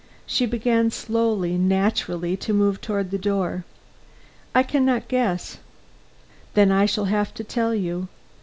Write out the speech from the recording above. She began slowly, naturally, to move toward the door. "I can not guess." "Then I shall have to tell you.